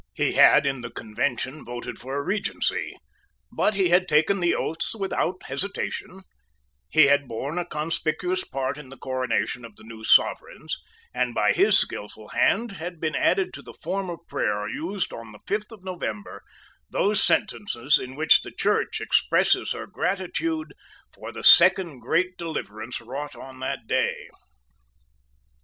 He had in the Convention voted for a Regency; but he had taken the oaths without hesitation; he had borne a conspicuous part in the coronation of the new Sovereigns; and by his skilful hand had been added to the Form of Prayer used on the fifth of November those sentences in which the Church expresses her gratitude for the second great deliverance wrought on that day.